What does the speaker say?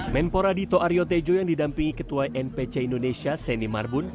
menpora dito aryo tejo yang didampingi ketua npc indonesia seni marbun